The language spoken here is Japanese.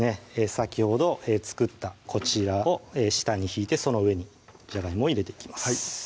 先ほど作ったこちらを下にひいてその上にじゃがいもを入れていきます